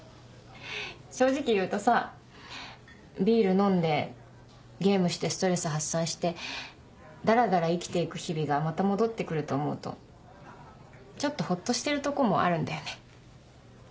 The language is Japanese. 正直言うとさビール飲んでゲームしてストレス発散してダラダラ生きて行く日々がまた戻って来ると思うとちょっとホッとしてるとこもあるんだよね。